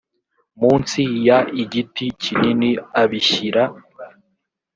munsi y igiti kinini abishyira